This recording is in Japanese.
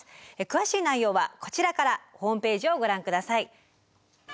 詳しい内容はこちらからホームページをご覧下さい。